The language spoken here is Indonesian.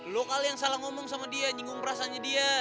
lu kali yang salah ngomong sama dia jinggung perasaannya